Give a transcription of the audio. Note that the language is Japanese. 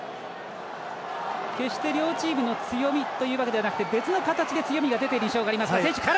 決して両チームの強みというわけではなく別の形で強みが出ている印象がありますが。